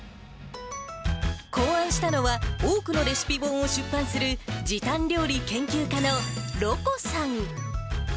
考案したのは、多くのレシピ本を出版する時短料理研究家のろこさん。